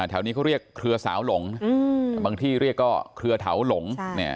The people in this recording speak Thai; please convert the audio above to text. แถวนี้เขาเรียกเครือสาวหลงบางที่เรียกก็เครือเถาหลง